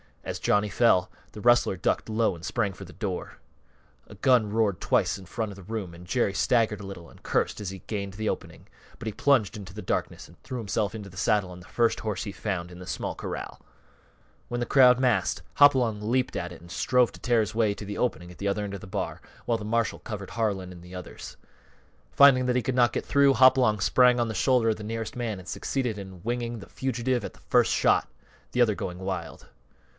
As Johnny fell, the rustler ducked low and sprang for the door. A gun roared twice in the front of the room and Jerry staggered a little and cursed as he gained the opening, but he plunged into the darkness and threw himself into the saddle on the first horse he found in the small corral. When the crowd massed, Hopalong leaped at it and strove to tear his way to the opening at the end of the bar, while the marshal covered Harlan and the others. Finding that he could not get through, Hopalong sprang on the shoulder of the nearest man and succeeded in winging the fugitive at the first shot, the other going wild.